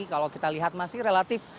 kalau kita lihat masih relatif